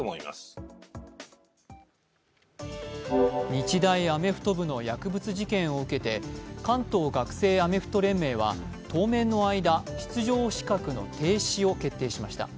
日大アメフト部の薬物事件を受けて関東学生アメフト連盟は当面の間、出場資格の停止を決定しました。